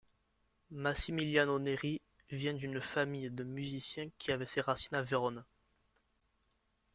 Massimiliano Neri vient d'une famille de musiciens qui avait ses racines à Vérone.